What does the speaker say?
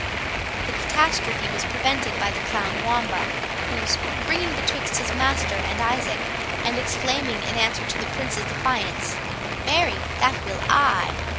The catastrophe was prevented by the clown Wamba, who, springing betwixt his master and Isaac, and exclaiming, in answer to the Prince's defiance, "Marry, that will I!"